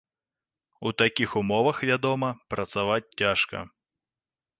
У такіх умовах, вядома, працаваць цяжка.